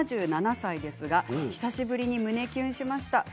７７歳ですが久しぶりに胸キュンしました。